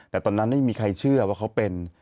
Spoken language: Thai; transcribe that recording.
แต่ตอนนั้นไม่มีใครเชื่อว่าเขาเป็น